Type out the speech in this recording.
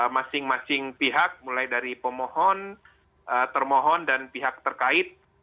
masing masing pihak mulai dari pemohon termohon dan pihak terkait